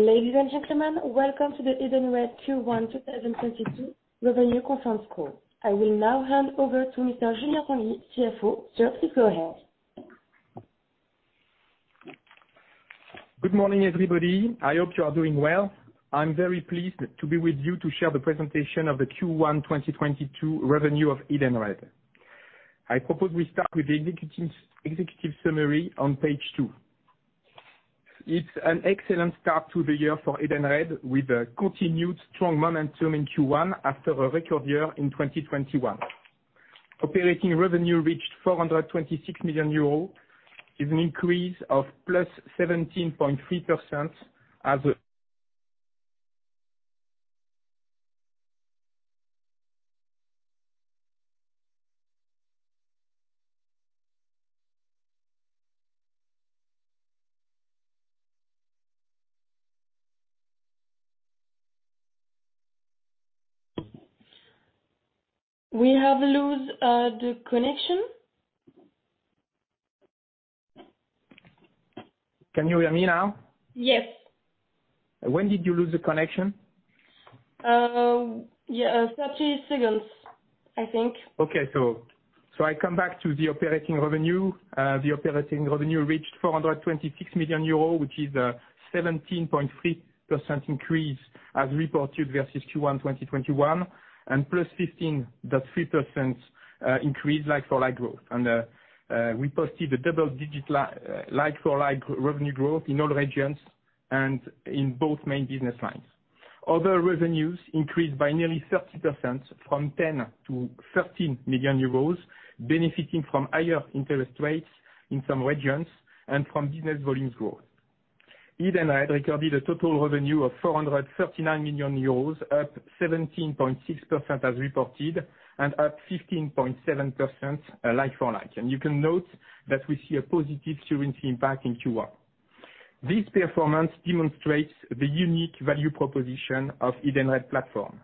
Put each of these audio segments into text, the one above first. Ladies and gentlemen, welcome to the Edenred Q1 2022 revenue conference call. I will now hand over to Mr. Julien Tanguy, CFO. Sir, please go ahead. Good morning, everybody. I hope you are doing well. I'm very pleased to be with you to share the presentation of the Q1 2022 revenue of Edenred. I propose we start with the executive summary on page two. It's an excellent start to the year for Edenred, with a continued strong momentum in Q1 after a record year in 2021. Operating revenue reached 426 million euros, an increase of +17.3% as- We have lost the connection. Can you hear me now? Yes. When did you lose the connection? Yeah, 30 seconds, I think. I come back to the operating revenue. The operating revenue reached 426 million euro, which is a 17.3% increase as reported versus Q1 2021, and +15.3% like-for-like growth. We posted a double-digit like-for-like revenue growth in all regions and in both main business lines. Other revenues increased by nearly 30% from 10 million to 13 million euros, benefiting from higher interest rates in some regions and from business volumes growth. Edenred recorded a total revenue of 439 million euros, up 17.6% as reported and up 15.7% like-for-like. You can note that we see a positive currency impact in Q1. This performance demonstrates the unique value proposition of Edenred platform.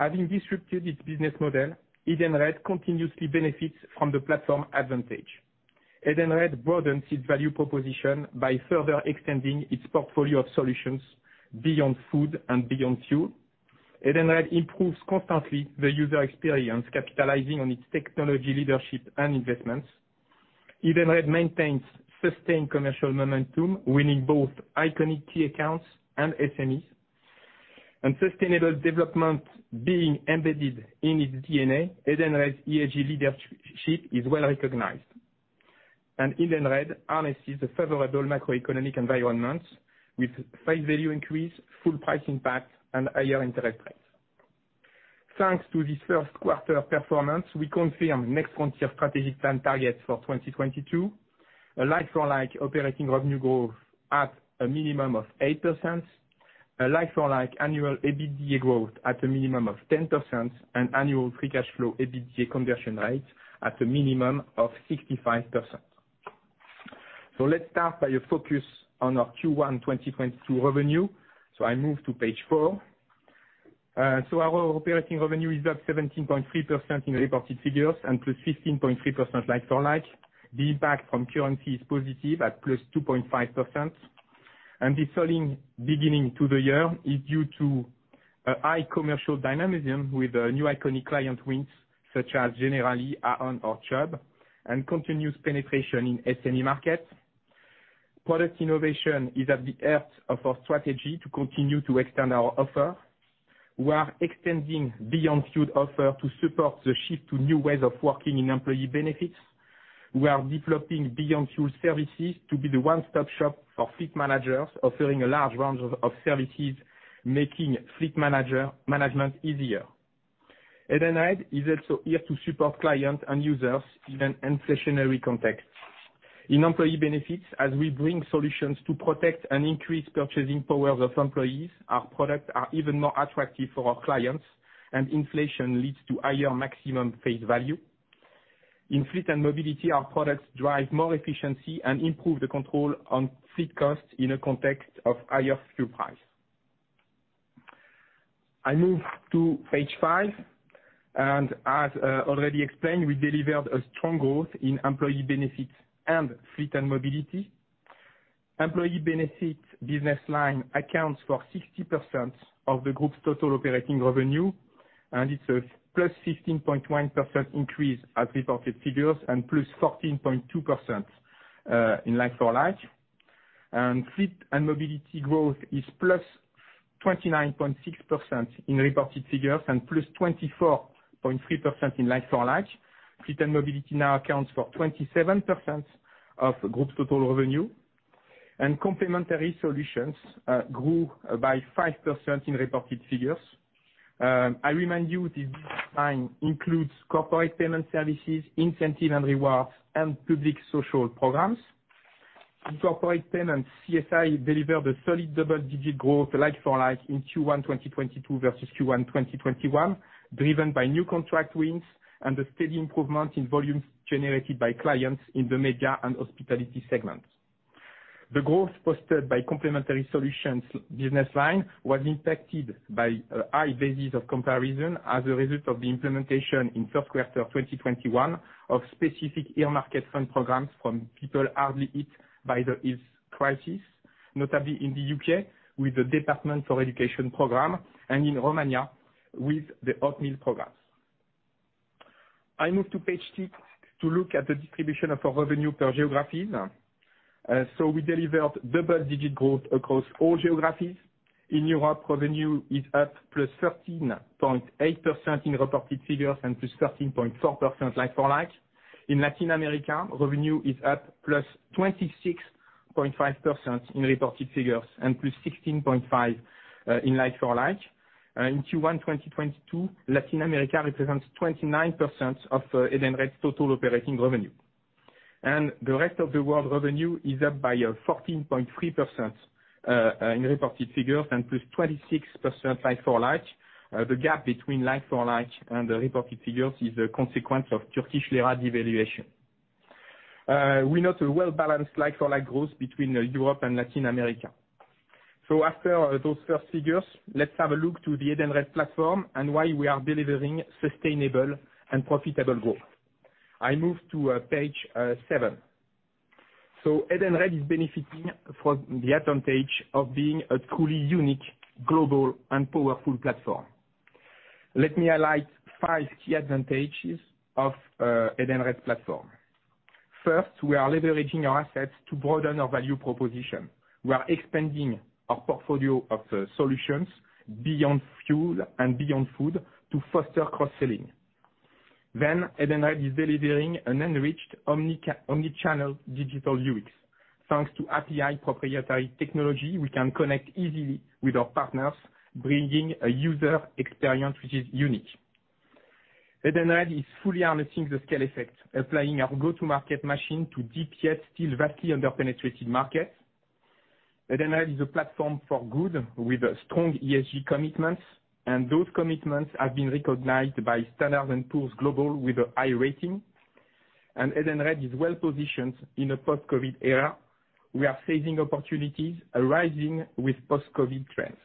Having disrupted its business model, Edenred continuously benefits from the Platform Advantage. Edenred broadens its value proposition by further extending its portfolio of solutions Beyond Food and Beyond Fuel. Edenred improves constantly the user experience, capitalizing on its technology, leadership and investments. Edenred maintains sustained commercial momentum, winning both iconic key accounts and SMEs. Sustainable development being embedded in its DNA, Edenred's ESG leadership is well-recognized. Edenred harnesses a favorable macroeconomic environment with face value increase, full price impact and higher interest rates. Thanks to this first quarter performance, we confirm Next Frontier strategic plan targets for 2022. A like-for-like operating revenue growth at a minimum of 8%, a like-for-like annual EBITDA growth at a minimum of 10%, and annual free cash flow EBITDA conversion rate at a minimum of 65%. Let's start by a focus on our Q1 2022 revenue. I move to Page 4. Our operating revenue is up 17.3% in reported figures and +15.3% like-for-like. The impact from currency is positive at +2.5%. This strong beginning to the year is due to a high commercial dynamism with new iconic client wins such as Generali, Aon or Chubb, and continuous penetration in SME markets. Product innovation is at the heart of our strategy to continue to extend our offer. We are extending Beyond Fuel offer to support the shift to new ways of working in employee benefits. We are developing Beyond Fuel services to be the one-stop shop for fleet managers, offering a large range of services, making management easier. Edenred is also here to support clients and users in an inflationary context. In employee benefits, as we bring solutions to protect and increase purchasing power of employees, our products are even more attractive for our clients, and inflation leads to higher maximum face value. In Fleet & Mobility, our products drive more efficiency and improve the control on fleet costs in a context of higher fuel price. I move to Page 5, and as already explained, we delivered a strong growth in employee benefits and Fleet & Mobility. Employee benefits business line accounts for 60% of the group's total operating revenue, and it's a +15.1% increase as reported figures and +14.2% in like-for-like. Fleet & Mobility growth is +29.6% in reported figures and +24.3% in like-for-like. Fleet & Mobility now accounts for 27% of group's total revenue. Complementary solutions grew by 5% in reported figures. I remind you this design includes corporate payment services, incentive and rewards, and public social programs. In Corporate payments, CSI delivered a solid double-digit growth like-for-like in Q1 2022 versus Q1 2021, driven by new contract wins and the steady improvement in volumes generated by clients in the major and Hospitality segments. The growth posted by Complementary Solutions business line was impacted by a high basis of comparison as a result of the implementation in first quarter of 2021 of specific earmarked funds programs from people hardest hit by the crisis, notably in the U.K. with the Department for Education program and in Romania with the hot meal programs. I move to Page 6 to look at the distribution of our revenue per geographies. We delivered double-digit growth across all geographies. In Europe, revenue is up +13.8% in reported figures and +13.4% like-for-like. In Latin America, revenue is up +26.5% in reported figures and +16.5% in like-for-like. In Q1 2022, Latin America represents 29% of Edenred's total operating revenue. The rest of the world revenue is up by 14.3% in reported figures and +26% like-for-like. The gap between like-for-like and the reported figures is a consequence of Turkish lira devaluation. We note a well-balanced like-for-like growth between Europe and Latin America. After those first figures, let's have a look to the Edenred platform and why we are delivering sustainable and profitable growth. I move to Page 7. Edenred is benefiting from the advantage of being a truly unique global and powerful platform. Let me highlight five key advantages of Edenred's platform. First, we are leveraging our assets to broaden our value proposition. We are expanding our portfolio of solutions beyond fuel and beyond food to foster cross-selling. Edenred is delivering an enriched omni-omnichannel digital UX. Thanks to API proprietary technology, we can connect easily with our partners, bringing a user experience which is unique. Edenred is fully harnessing the scale effect, applying our go-to-market machine to deep, yet still vastly under-penetrated markets. Edenred is a platform for good with strong ESG commitments, and those commitments have been recognized by Standard and Poor's Global with a high rating. Edenred is well positioned in a post-COVID era. We are seizing opportunities arising with post-COVID trends.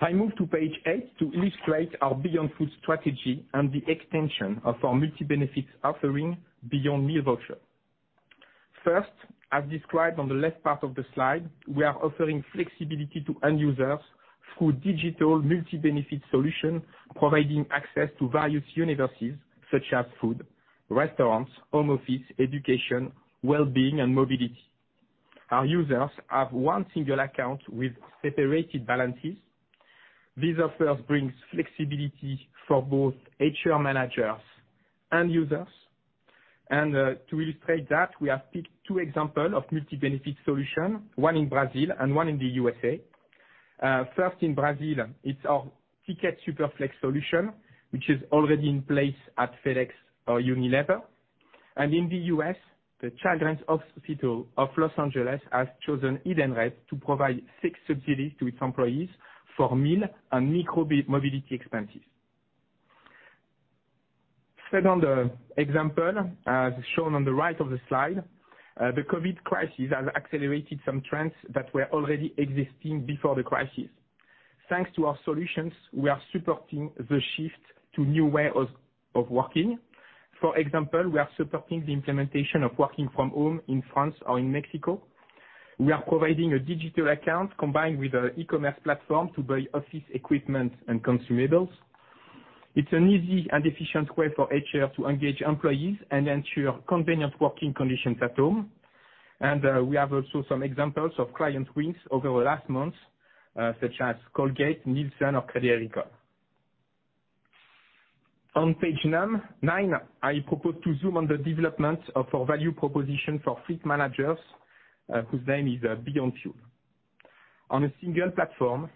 I move to Page 8 to illustrate our Beyond Food strategy and the extension of our multi-benefit offering beyond meal voucher. First, as described on the left part of the slide, we are offering flexibility to end users through digital multi-benefit solution, providing access to various universes such as food, restaurants, home office, education, well-being, and mobility. Our users have one single account with separated balances. This offer brings flexibility for both HR managers and users. To illustrate that, we have picked two examples of multi-benefit solutions, one in Brazil and one in the U.S. First, in Brazil, it's our Ticket Super Flex solution, which is already in place at FedEx or Unilever. In the U.S., the Children's Hospital Los Angeles has chosen Edenred to provide six subsidies to its employees for meal and micro-mobility expenses. Second example, as shown on the right of the slide, the COVID crisis has accelerated some trends that were already existing before the crisis. Thanks to our solutions, we are supporting the shift to new way of working. For example, we are supporting the implementation of working-from-home in France or in Mexico. We are providing a digital account combined with e-commerce platform to buy office equipment and consumables. It's an easy and efficient way for HR to engage employees and ensure convenient working conditions at home. We have also some examples of client wins over the last months, such as Colgate, Nielsen, or Crédit Agricole. On Page 9, I propose to zoom on the development of our value proposition for fleet managers, whose name is Beyond Fuel. On a single platform,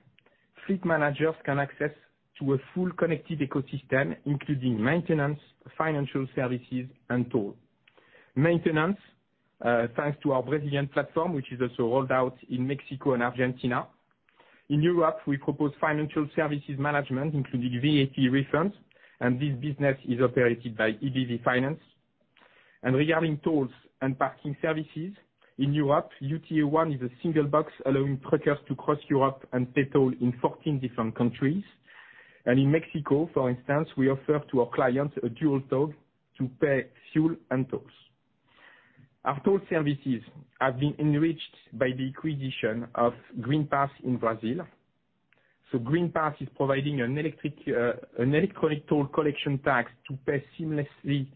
fleet managers can access to a full connected ecosystem, including maintenance, financial services, and toll. Maintenance, thanks to our Brazilian platform, which is also rolled out in Mexico and Argentina. In Europe, we propose financial services management, including VAT refunds, and this business is operated by UTA Finance. Regarding tolls and parking services, in Europe, UTA One is a single box allowing truckers to cross Europe and pay toll in 14 different countries. In Mexico, for instance, we offer to our clients a dual toll to pay fuel and tolls. Our toll services have been enriched by the acquisition of Greenpass in Brazil. Greenpass is providing an electronic toll collection tags to pay seamlessly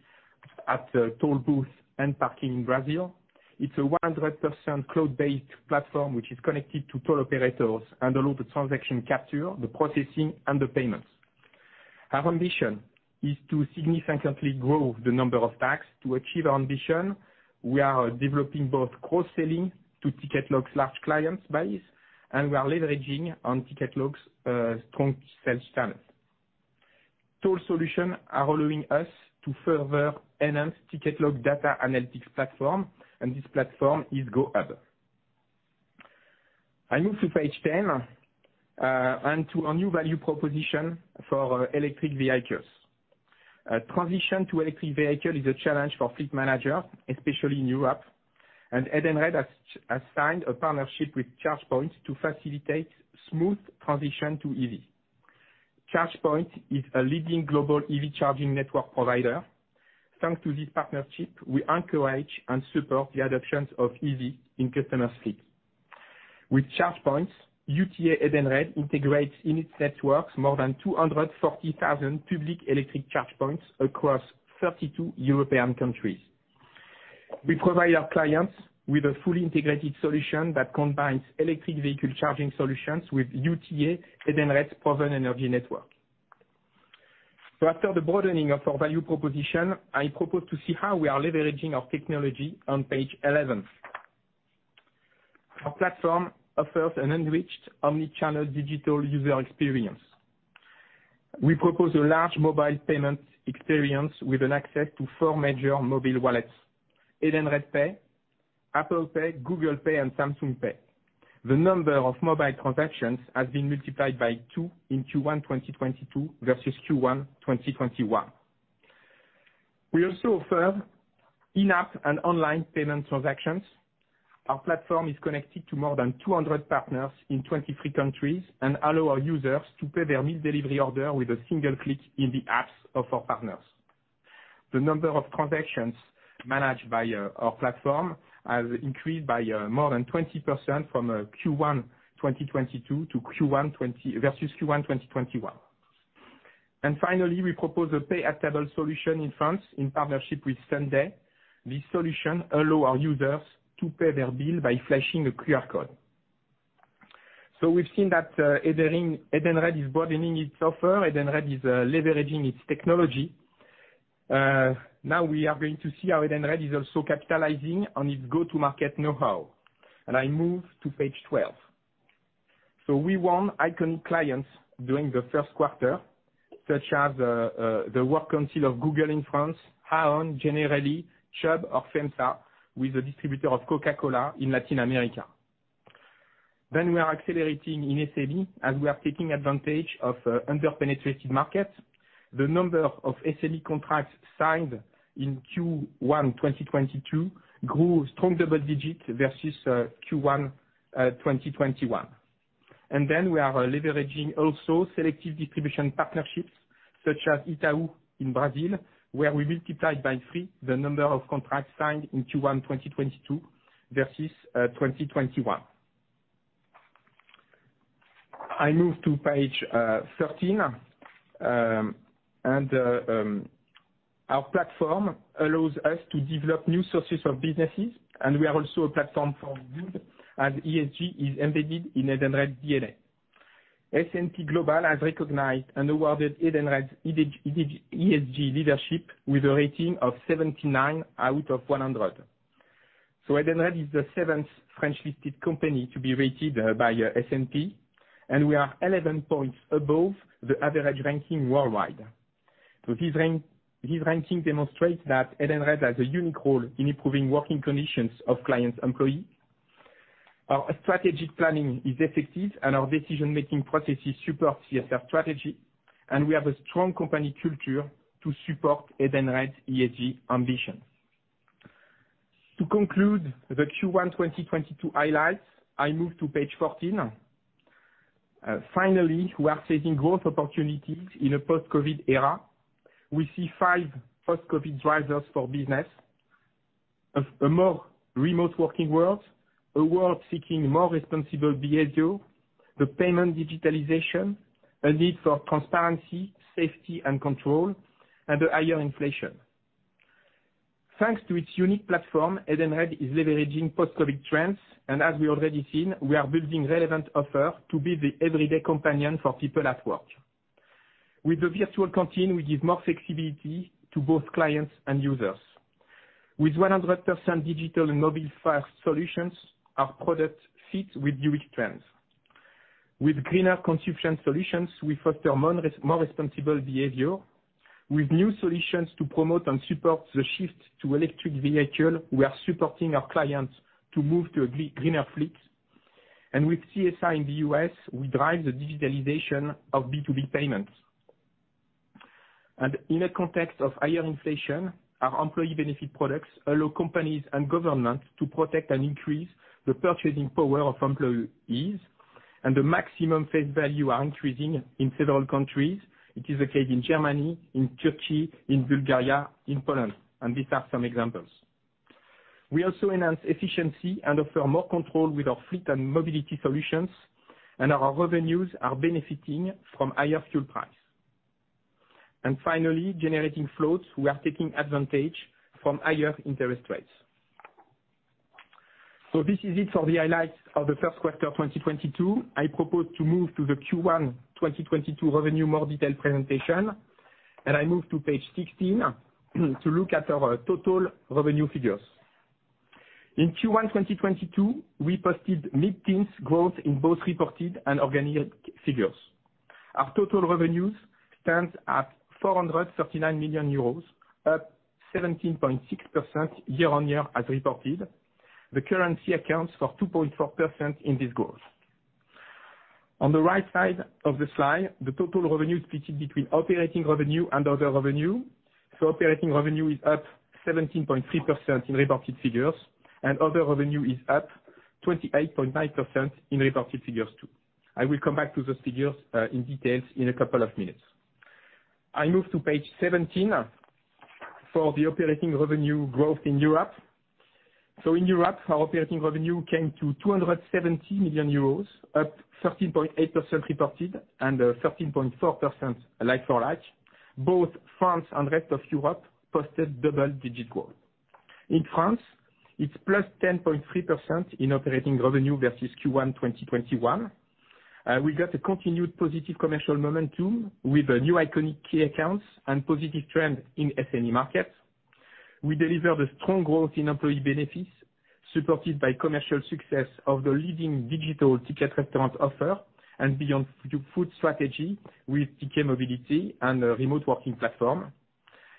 at tollbooths and parking in Brazil. It's a 100% cloud-based platform, which is connected to toll operators and allow the transaction capture, the processing, and the payments. Our ambition is to significantly grow the number of tags. To achieve our ambition, we are developing both cross-selling to Ticket Log's large client base, and we are leveraging on Ticket Log's strong sales talent. Toll solutions are allowing us to further enhance Ticket Log data analytics platform, and this platform is GoHub. I move to Page 10 and to a new value proposition for electric vehicles. Transition to electric vehicle is a challenge for fleet manager, especially in Europe. Edenred has signed a partnership with ChargePoint to facilitate smooth transition to EV. ChargePoint is a leading global EV charging network provider. Thanks to this partnership, we encourage and support the adoptions of EV in customer fleet. With ChargePoint, UTA Edenred integrates in its networks more than 240,000 public electric charge points across 32 European countries. We provide our clients with a fully integrated solution that combines electric vehicle charging solutions with UTA Edenred's proven energy network. After the broadening of our value proposition, I propose to see how we are leveraging our technology on Page 11. Our platform offers an enriched omnichannel digital user experience. We propose a large mobile payment experience with an access to four major mobile wallets: Edenred Pay, Apple Pay, Google Pay, and Samsung Pay. The number of mobile transactions has been multiplied by 2 in Q1 2022 versus Q1 2021. We also offer in-app and online payment transactions. Our platform is connected to more than 200 partners in 23 countries, and allows our users to pay their meal delivery order with a single click in the apps of our partners. The number of transactions managed by our platform has increased by more than 20% from Q1 2022 versus Q1 2021. Finally, we propose a pay-at-table solution in France in partnership with sunday. This solution allows our users to pay their bill by flashing a QR code. We've seen that Edenred is broadening its offer. Edenred is leveraging its technology. Now we are going to see how Edenred is also capitalizing on its go-to-market know-how. I move to Page 12. We won iconic clients during the first quarter, such as the Work Council of Google in France, Aon, Generali, Chubb or FEMSA, who is a distributor of Coca-Cola in Latin America. We are accelerating in SME, as we are taking advantage of under-penetrated markets. The number of SME contracts signed in Q1 2022 grew strong double digits versus Q1 2021. We are leveraging also selective distribution partnerships such as Itaú in Brazil, where we multiplied by three the number of contracts signed in Q1 2022 versus 2021. I move to Page 13. Our platform allows us to develop new sources of businesses, and we are also a platform for good, as ESG is embedded in Edenred DNA. S&P Global has recognized and awarded Edenred's ESG leadership with a rating of 79 out of 100. Edenred is the 7th French-listed company to be rated by S&P, and we are 11 points above the average ranking worldwide. This ranking demonstrates that Edenred has a unique role in improving working conditions of clients' employees. Our strategic planning is effective, and our decision-making processes support CSR strategy, and we have a strong company culture to support Edenred's ESG ambition. To conclude the Q1 2022 highlights, I move to Page 14. Finally, we are seizing growth opportunities in a post-COVID era. We see five post-COVID drivers for business: a more remote working world, a world seeking more responsible behavior, the payment digitalization, a need for transparency, safety, and control, and a higher inflation. Thanks to its unique platform, Edenred is leveraging post-COVID trends, and as we already seen, we are building relevant offer to be the everyday companion for people at work. With the virtual canteen, we give more flexibility to both clients and users. With 100% digital and mobile-first solutions, our product fits with newish trends. With greener consumption solutions, we foster more responsible behavior. With new solutions to promote and support the shift to electric vehicle, we are supporting our clients to move to a greener fleet. In a context of higher inflation, our employee benefit products allow companies and governments to protect and increase the purchasing power of employees, and the maximum face value are increasing in several countries. It is the case in Germany, in Turkey, in Bulgaria, in Poland, and these are some examples. We also enhance efficiency and offer more control with our Fleet & Mobility Solutions, and our revenues are benefiting from higher fuel price. Finally, generating cash flows, we are taking advantage from higher interest rates. This is it for the highlights of the first quarter 2022. I propose to move to the Q1 2022 revenue more detailed presentation, and I move to Page 16 to look at our total revenue figures. In Q1 2022, we posted mid-teens growth in both reported and organic figures. Our total revenues stands at 439 million euros, up 17.6% year-on-year as reported. The currency accounts for 2.4% in this growth. On the right side of the slide, the total revenue is split between operating revenue and other revenue. Operating revenue is up 17.3% in reported figures, and other revenue is up 28.9% in reported figures too. I will come back to those figures in detail in a couple of minutes. I move to Page 17 for the operating revenue growth in Europe. In Europe, our operating revenue came to 270 million euros, up 13.8% reported and 13.4% like-for-like. Both France and rest of Europe posted double-digit growth. In France, it's +10.3% in operating revenue versus Q1 2021. We got a continued positive commercial momentum with new iconic key accounts and positive trend in SME markets. We delivered a strong growth in employee benefits, supported by commercial success of the leading digital Ticket Restaurant offer and Beyond Food strategy with Ticket Mobility and a remote working platform.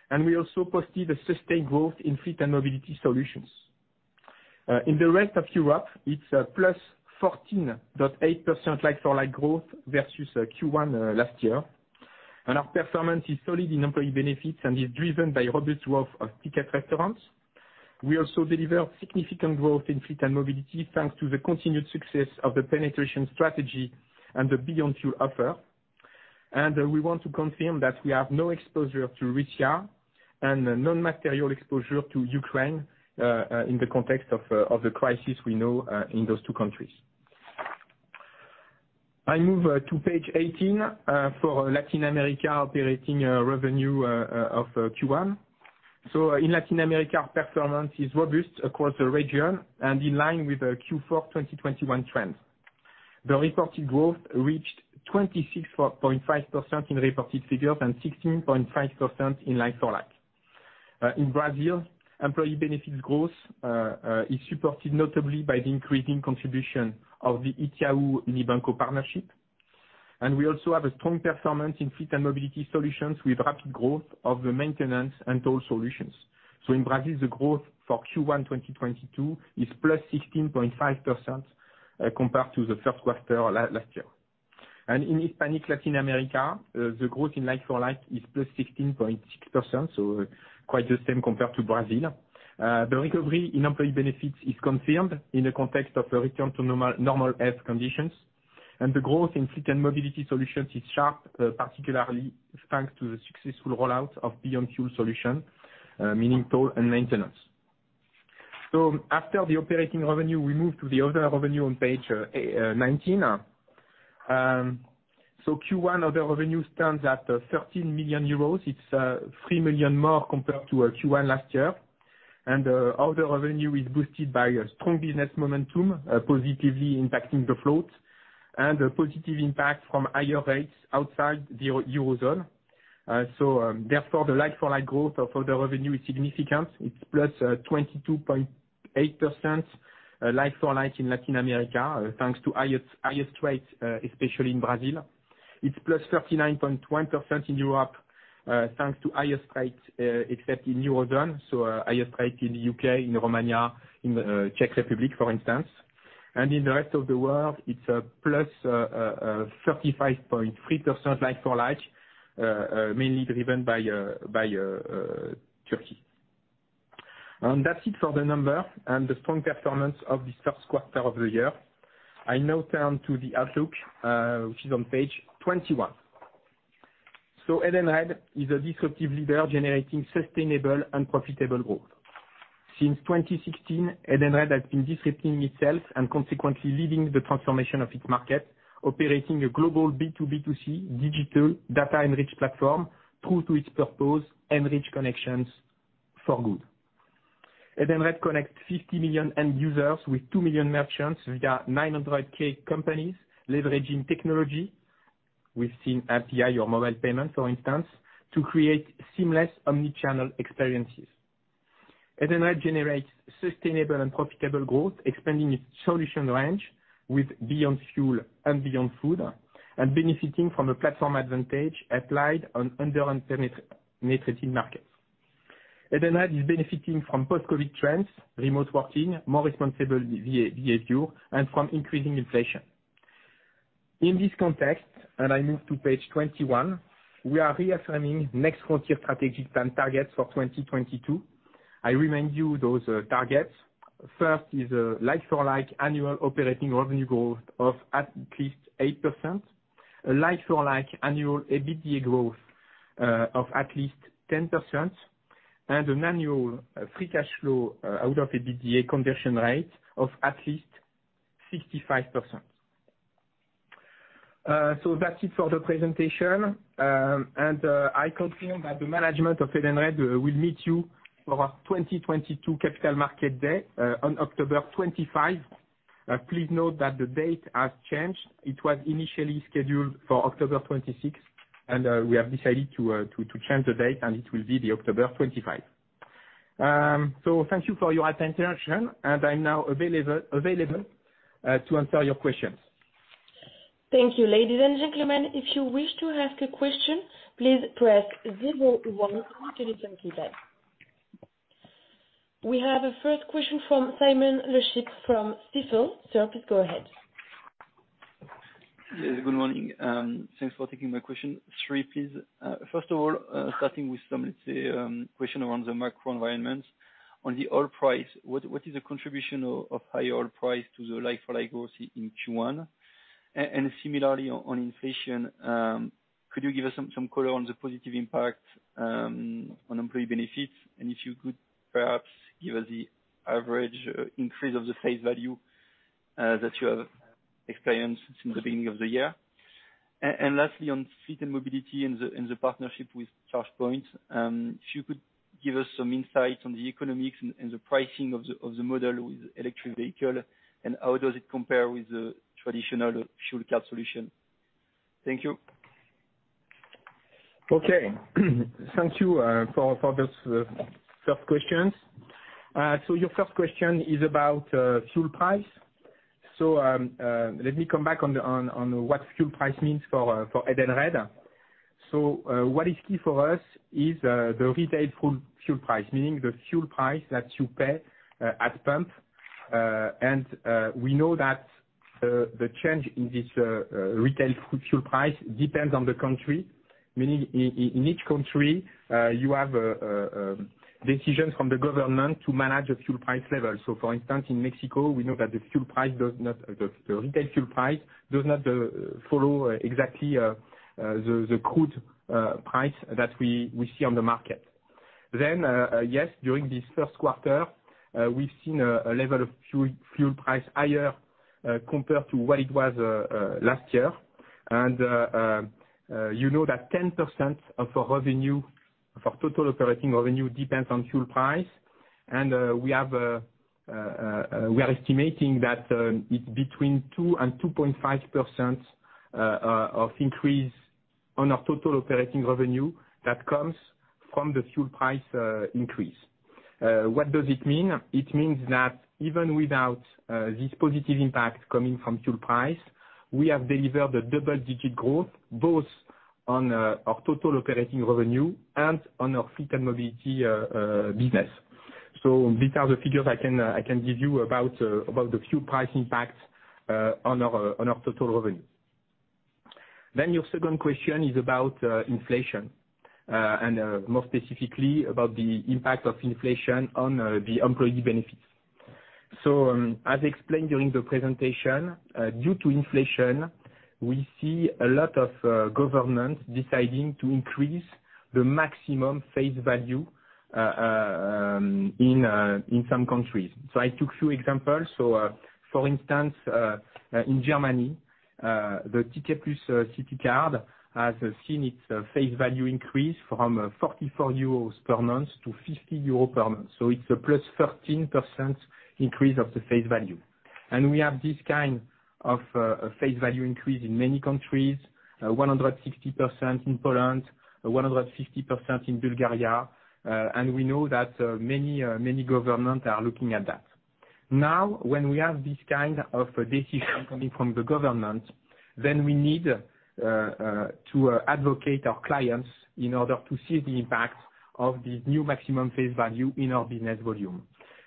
We also posted a sustained growth in Fleet & Mobility Solutions. In the rest of Europe, it's +14.8% like-for-like growth versus Q1 last year. Our performance is solid in employee benefits and is driven by robust growth of Ticket Restaurant. We also developed significant growth in Fleet & Mobility, thanks to the continued success of the penetration strategy and the Beyond Fuel offer. We want to confirm that we have no exposure to Russia and non-material exposure to Ukraine, in the context of the crisis you know, in those two countries. I move to Page 18 for Latin America operating revenue of Q1. In Latin America, our performance is robust across the region and in line with the Q4 in 2021 trends. The reported growth reached 26.5% in reported figures and 16.5% in like-for-like. In Brazil, employee benefits growth is supported notably by the increasing contribution of the Itaú Unibanco partnership. We also have a strong performance in Fleet & Mobility Solutions with rapid growth of the maintenance and toll solutions. In Brazil, the growth for Q1 in 2022 is +16.5%, compared to the first quarter last year. In Hispanic Latin America, the growth in like-for-like is +16.6%, quite the same compared to Brazil. The recovery in employee benefits is confirmed in the context of a return to normal health conditions. The growth in Fleet & Mobility Solutions is sharp, particularly thanks to the successful rollout of Beyond Fuel solution, meaning toll and maintenance. After the operating revenue, we move to the other revenue on Page 19. Q1 other revenue stands at 13 million euros. It's 3 million more compared to Q1 last year. Other revenue is boosted by a strong business momentum, positively impacting the float and a positive impact from higher rates outside the Eurozone. The like-for-like growth of other revenue is significant. It's +22.8% like-for-like in Latin America, thanks to highest rates, especially in Brazil. It's +39.1% in Europe, thanks to higher rates, except in Eurozone, so highest rate in the U.K., in Romania, in the Czech Republic, for instance. In the rest of the world, it's +35.3% like-for-like, mainly driven by Turkey. That's it for the number and the strong performance of this first quarter of the year. I now turn to the outlook, which is on Page 21. Edenred is a disruptive leader generating sustainable and profitable growth. Since 2016, Edenred has been disrupting itself and consequently leading the transformation of its market, operating a global B2B2C digital data-enriched platform, true to its purpose, enrich connections for good. Edenred connects 50 million end users with 2 million merchants via 900,000 companies leveraging technology. We've seen API or mobile payments, for instance, to create seamless omni-channel experiences. Edenred generates sustainable and profitable growth, expanding its solution range with Beyond Fuel and Beyond Food, and benefiting from a platform advantage applied on under and penetrated markets. Edenred is benefiting from post-COVID trends, remote working, more responsible behavior, and from increasing inflation. In this context, I move to Page 21, we are reaffirming Next Frontier strategic plan targets for 2022. I remind you those targets. First is a like-for-like annual operating revenue growth of at least 8%, a like-for-like annual EBITDA growth of at least 10%, and an annual free cash flow out of EBITDA conversion rate of at least 65%. That's it for the presentation. I confirm that the management of Edenred will meet you for our 2022 Capital Markets Day on October 25. Please note that the date has changed. It was initially scheduled for October 26th, and we have decided to change the date, and it will be October 25. Thank you for your attention, and I'm now available to answer your questions. Thank you. Ladies and gentlemen, if you wish to ask a question, please press zero one on your telephone keypad. We have a first question from Simon Lechipre from Stifel. Sir, please go ahead. Yes, good morning. Thanks for taking my question. Three please. First of all, starting with some, let's say, question around the macro environment. On the oil price, what is the contribution of higher oil price to the like-for-like growth in Q1? And similarly on inflation, could you give us some color on the positive impact on employee benefits? And if you could perhaps give us the average increase of the face value that you have experienced since the beginning of the year. And lastly, on Fleet & Mobility and the partnership with ChargePoint, if you could give us some insight on the economics and the pricing of the model with electric vehicle, and how does it compare with the traditional fuel card solution? Thank you. Okay. Thank you for those tough questions. Your first question is about fuel price. Let me come back on what fuel price means for Edenred. What is key for us is the retail fuel price, meaning the fuel price that you pay at pump. We know that the change in this retail fuel price depends on the country. Meaning in each country, you have decisions from the government to manage the fuel price level. For instance, in Mexico, we know that the retail fuel price does not follow exactly the crude price that we see on the market. Yes, during this first quarter, we've seen a level of fuel price higher compared to what it was last year. You know that 10% of our revenue, of our total operating revenue depends on fuel price. We are estimating that between 2% and 2.5% of increase on our total operating revenue that comes from the fuel price increase. What does it mean? It means that even without this positive impact coming from fuel price, we have delivered a double-digit growth, both on our total operating revenue and on our Fleet & Mobility business. These are the figures I can give you about the fuel price impact on our total revenue. Your second question is about inflation and more specifically about the impact of inflation on the employee benefits. As explained during the presentation, due to inflation, we see a lot of governments deciding to increase the maximum face value in some countries. I took few examples. For instance, in Germany, the Ticket Plus city card has seen its face value increase from 44 euros per month to 50 euros per month, so it's a +13% increase of the face value. We have this kind of face value increase in many countries, 160% in Poland, 150% in Bulgaria, and we know that many governments are looking at that. Now, when we have this kind of decision coming from the government, then we need to advocate our clients in order to see the impact of the new maximum face value in our business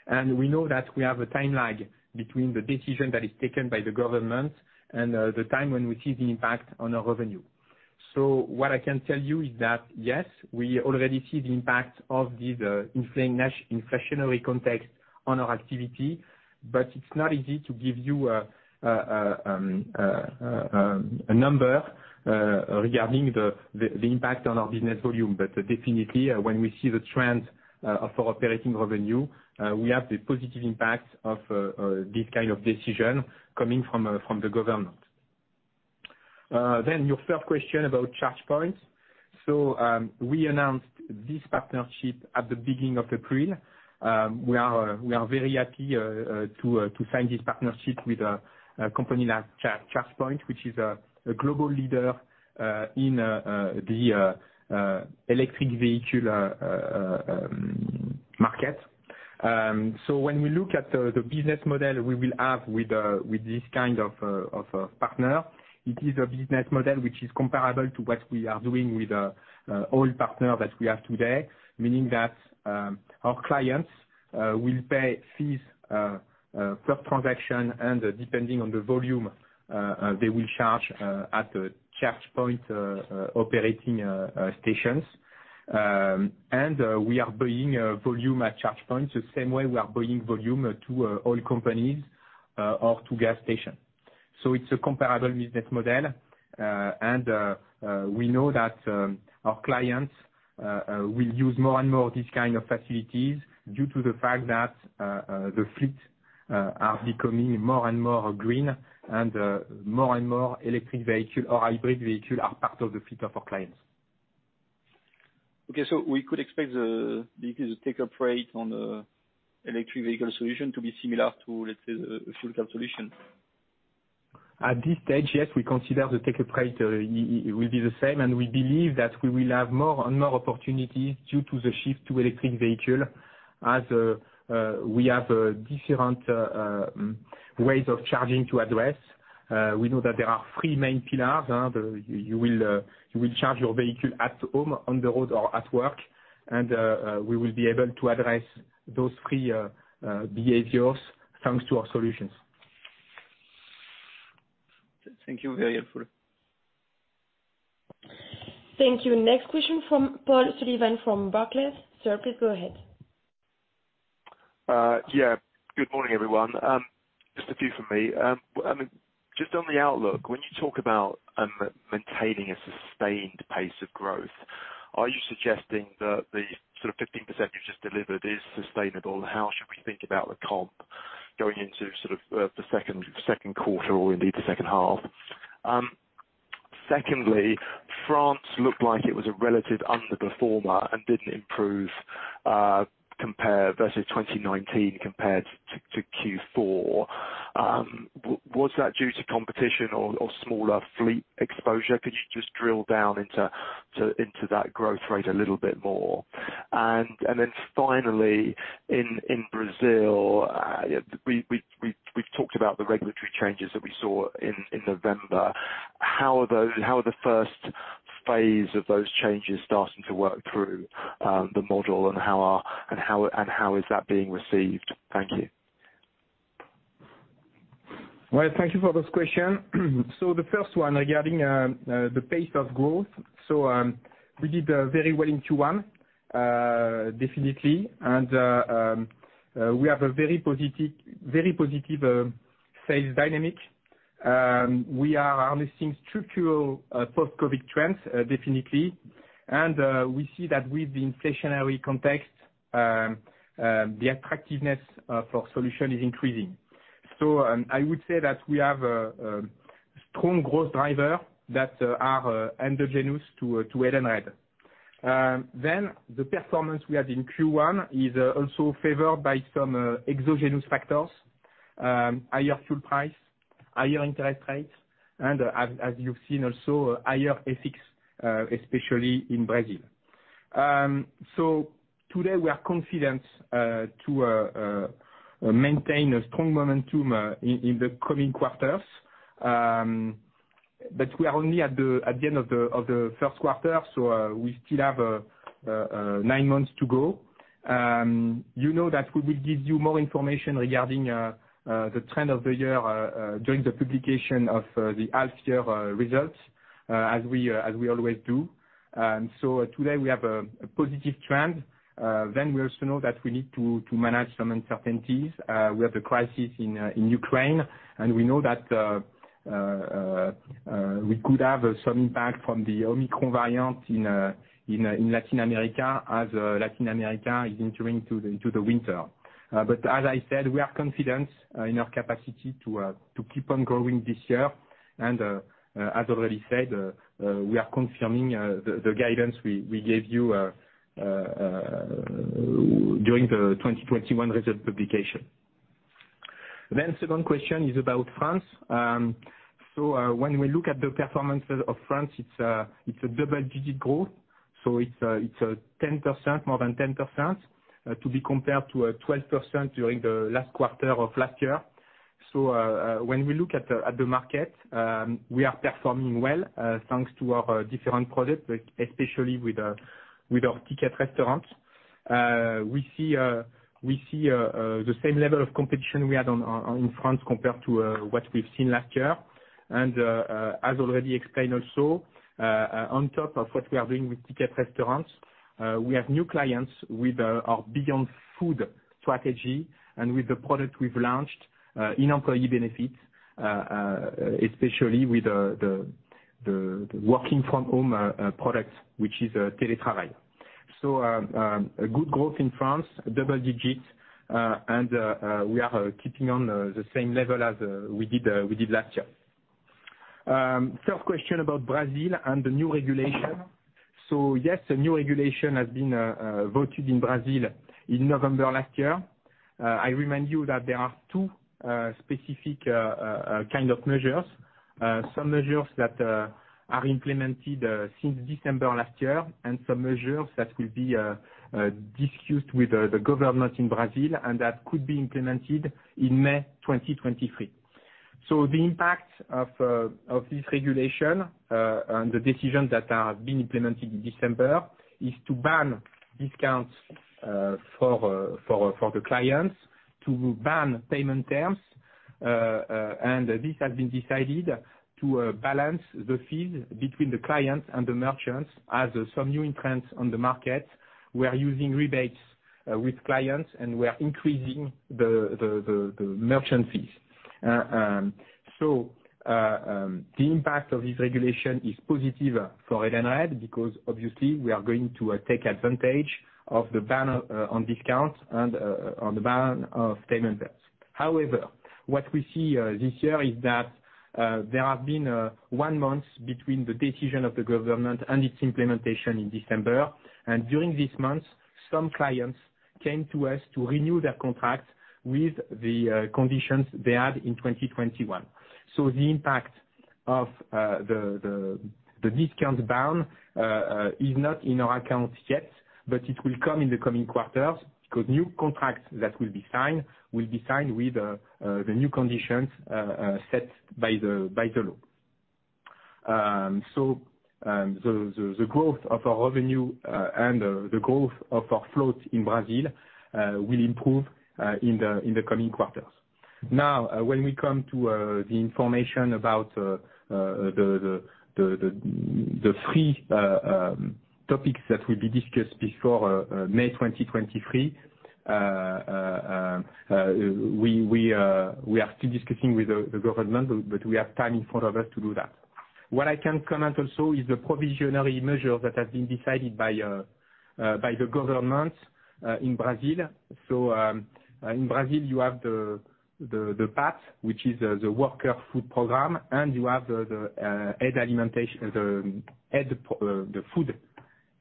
volume. We know that we have a time lag between the decision that is taken by the government and the time when we see the impact on our revenue. What I can tell you is that, yes, we already see the impact of this inflationary context on our activity, but it's not easy to give you a number regarding the impact on our business volume. Definitely when we see the trend of our operating revenue, we have the positive impact of this kind of decision coming from the government. Your third question about ChargePoint. We announced this partnership at the beginning of April. We are very happy to sign this partnership with a company like ChargePoint, which is a global leader in the electric vehicle market. When we look at the business model we will have with this kind of a partner, it is a business model which is comparable to what we are doing with oil partner that we have today. Meaning that, our clients will pay fees per transaction, and depending on the volume, they will charge at the ChargePoint operating stations. We are bringing volume at ChargePoint the same way we are bringing volume to oil companies or to gas station. It's a comparable business model. We know that our clients will use more and more of these kind of facilities due to the fact that the fleet are becoming more and more green, and more and more electric vehicle or hybrid vehicle are part of the fleet of our clients. Okay, we could expect the take-up rate on the electric vehicle solution to be similar to, let's say, the fuel card solution. At this stage, yes, we consider the take-up rate. It will be the same, and we believe that we will have more and more opportunities due to the shift to electric vehicles as we have different ways of charging to address. We know that there are three main pillars. You will charge your vehicle at home, on the road, or at work. We will be able to address those three behaviors thanks to our solutions. Thank you, very helpful. Thank you. Next question from Paul Sullivan from Barclays. Sir, please go ahead. Good morning, everyone. Just a few from me. I mean, just on the outlook, when you talk about maintaining a sustained pace of growth, are you suggesting that the sort of 15% you just delivered is sustainable? How should we think about the comp going into sort of the second quarter or indeed the second half? Secondly, France looked like it was a relative underperformer and didn't improve compared versus 2019 compared to Q4. Was that due to competition or smaller fleet exposure? Could you just drill down into that growth rate a little bit more? Then finally, in Brazil, we've talked about the regulatory changes that we saw in November. How are the first phase of those changes starting to work through the model? How is that being received? Thank you. Well, thank you for this question. The first one regarding the pace of growth. We did very well in Q1, definitely. We have a very positive sales dynamic. We are harvesting structural post-COVID trends, definitely. We see that with the inflationary context, the attractiveness of solutions is increasing. I would say that we have a strong growth driver that are endogenous to Edenred. The performance we had in Q1 is also favored by some exogenous factors, higher fuel price, higher interest rates, and as you've seen also, higher FX, especially in Brazil. Today we are confident to maintain a strong momentum in the coming quarters. We are only at the end of the first quarter, so we still have nine months to go. You know that we will give you more information regarding the trend of the year during the publication of the half year results, as we always do. Today we have a positive trend. We also know that we need to manage some uncertainties. We have the crisis in Ukraine, and we know that we could have some impact from the Omicron variant in Latin America as Latin America is entering into the winter. As I said, we are confident in our capacity to keep on growing this year. As already said, we are confirming the guidance we gave you during the 2021 result publication. Second question is about France. When we look at the performance of France, it's a double-digit growth. It's 10%, more than 10%, to be compared to 12% during the last quarter of last year. When we look at the market, we are performing well thanks to our different products, especially with our Ticket Restaurant. We see the same level of competition we had in France compared to what we've seen last year. As already explained also, on top of what we are doing with Ticket Restaurant, we have new clients with our Beyond Food strategy and with the product we've launched in employee benefits, especially with the working from home product, which is telework. A good growth in France, double digits, and we are keeping on the same level as we did last year. Third question about Brazil and the new regulation. Yes, a new regulation has been voted in Brazil in November last year. I remind you that there are two specific kind of measures. Some measures that are implemented since December last year, and some measures that will be discussed with the government in Brazil, and that could be implemented in May 2023. The impact of this regulation and the decisions that have been implemented in December is to ban discounts for the clients to ban payment terms. This has been decided to level the playing field between the clients and the merchants as some new entrants on the market were using rebates with clients, and we are increasing the merchant fees. The impact of this regulation is positive for Edenred, because obviously we are going to take advantage of the ban on discounts and on the ban of payment terms. However, what we see this year is that there have been one month between the decision of the government and its implementation in December. During this month, some clients came to us to renew their contract with the conditions they had in 2021. The impact of the discount ban is not in our accounts yet, but it will come in the coming quarters because new contracts that will be signed will be signed with the new conditions set by the law. The growth of our revenue and the growth of our float in Brazil will improve in the coming quarters. Now, when we come to the information about the three topics that will be discussed before May 2023. We are still discussing with the government, but we have time in front of us to do that. What I can comment also is the provisional measure that has been decided by the government in Brazil. In Brazil you have the PAT, which is the worker food program, and you have the food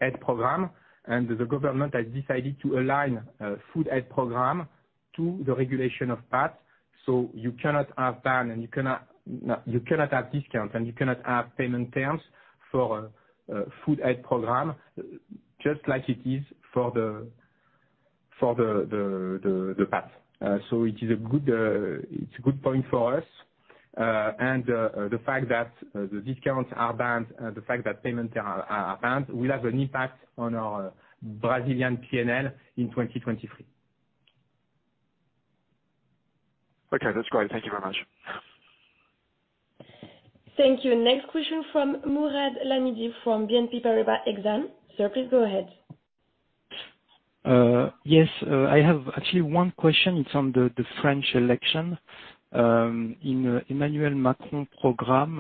aid program. The government has decided to align a food aid program to the regulation of PAT. You cannot have ban, and you cannot have discount, and you cannot have payment terms for food aid program, just like it is for the PAT. It's a good point for us. The fact that the discounts are banned, the fact that payments are banned will have an impact on our Brazilian P&L in 2023. Okay, that's great. Thank you very much. Thank you. Next question from Mourad Lahmidi, from BNP Paribas Exane. Sir, please go ahead. Yes. I have actually one question. It's on the French election. In Emmanuel Macron program,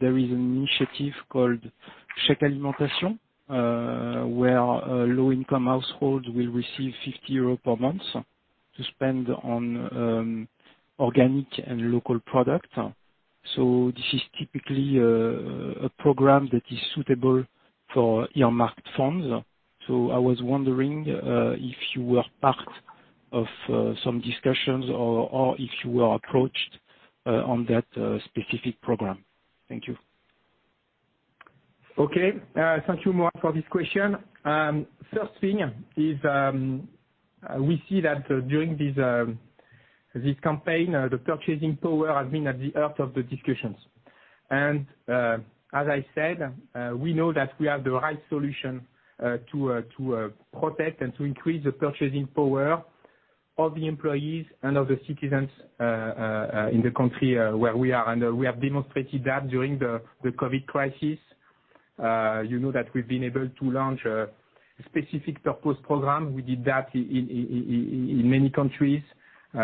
there is an initiative called Chèque Alimentation, where low-income households will receive 50 euros per month to spend on organic and local product. This is typically a program that is suitable for earmarked funds. I was wondering if you were part of some discussions or if you were approached on that specific program. Thank you. Okay. Thank you, Mourad, for this question. First thing is, we see that during this campaign, the purchasing power has been at the heart of the discussions. As I said, we know that we have the right solution to protect and to increase the purchasing power of the employees and other citizens in the country where we are. We have demonstrated that during the COVID crisis. You know that we've been able to launch a specific purpose program. We did that in many countries. We've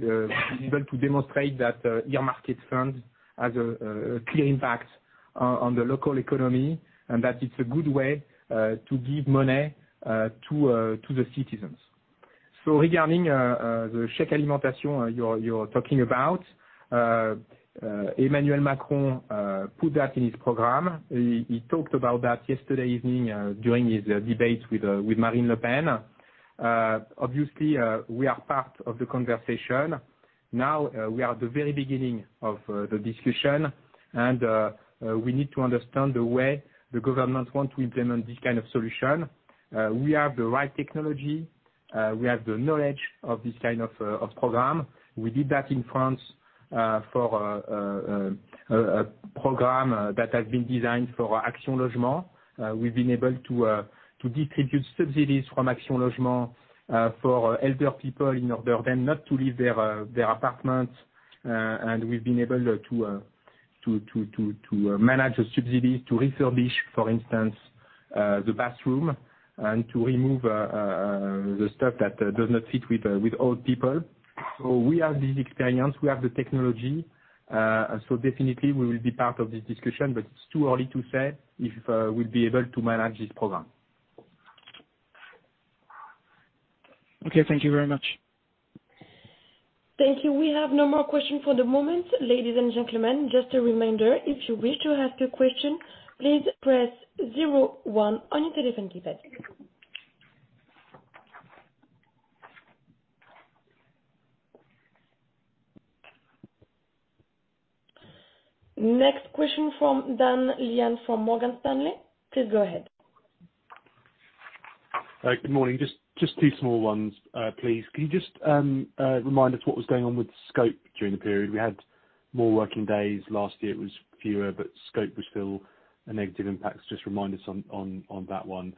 been able to demonstrate that earmarked funds has a clear impact on the local economy, and that it's a good way to give money to the citizens. Regarding the Chèque Alimentation you're talking about. Emmanuel Macron put that in his program. He talked about that yesterday evening during his debates with Marine Le Pen. Obviously, we are part of the conversation. Now, we are at the very beginning of the discussion and we need to understand the way the government want to implement this kind of solution. We have the right technology. We have the knowledge of this kind of program. We did that in France for a program that has been designed for Action Logement. We've been able to distribute subsidies from Action Logement for elder people in order then not to leave their apartments. We've been able to manage the subsidies, to refurbish, for instance, the bathroom and to remove the stuff that does not fit with old people. We have this experience, we have the technology. Definitely we will be part of this discussion, but it's too early to say if we'll be able to manage this program. Okay. Thank you very much. Thank you. We have no more questions for the moment. Ladies and gentlemen, just a reminder, if you wish to ask a question, please press zero one on your telephone keypad. Next question from Ed Young, from Morgan Stanley. Please go ahead. Good morning. Just two small ones, please. Can you just remind us what was going on with scope during the period? We had more working days. Last year it was fewer, but scope was still a negative impact. Just remind us on that one.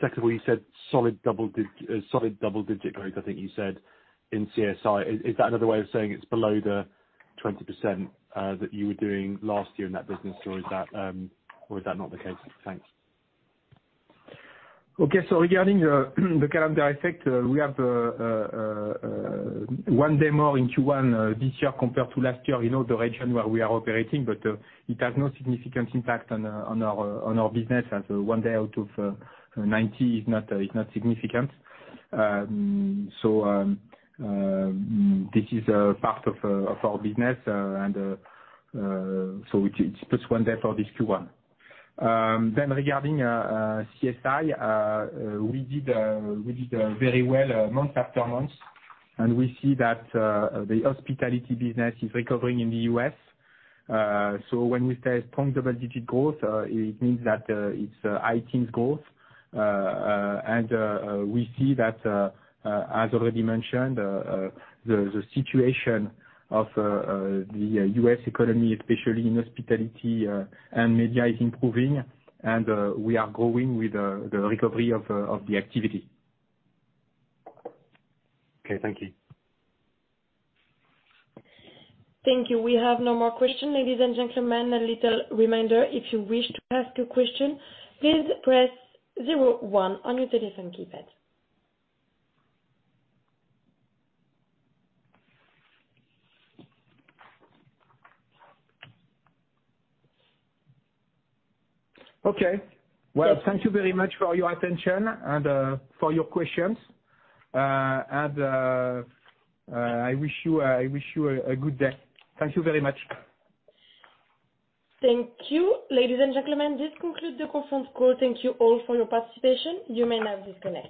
Secondly, you said solid double-digit growth, I think you said in CSI. Is that another way of saying it's below the 20%, that you were doing last year in that business, or is that not the case? Thanks. Okay. Regarding the calendar effect, we have one day more in Q1 this year compared to last year, you know, the region where we are operating. It has no significant impact on our business as one day out of ninety is not significant. This is a part of our business. It's just one day for this Q1. Regarding CSI, we did very well month after month, and we see that the hospitality business is recovering in the U.S. When we say strong double-digit growth, it means that it's high teens growth. We see that, as already mentioned, the situation of the U.S. economy, especially in hospitality and media, is improving and we are growing with the recovery of the activity. Okay. Thank you. Thank you. We have no more question. Ladies and gentlemen, a little reminder, if you wish to ask a question, please press zero one on your telephone keypad. Okay. Well, thank you very much for your attention and for your questions. I wish you a good day. Thank you very much. Thank you. Ladies and gentlemen, this concludes the conference call. Thank you all for your participation. You may now disconnect.